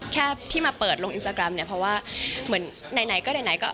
แค่ที่มาเปิดลงอินสตาแกรมเพราะว่าเหมือนไหนก็ได้ไหน